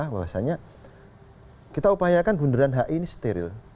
bahwasannya kita upayakan bundaran hi ini steril